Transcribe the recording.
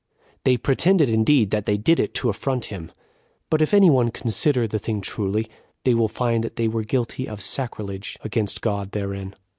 They pretended, indeed, that they did it to affront him; but if any one consider the thing truly, they will find that they were guilty of sacrilege against God therein.